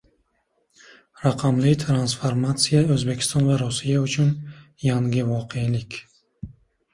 Raqamli transformatsiya — O‘zbekiston va Rossiya uchun yangi voqelik